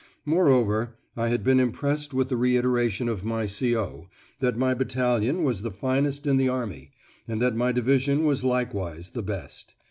Moreover, I had been impressed with the reiteration of my C.O., that my battalion was the finest in the Army, and that my division was likewise the best.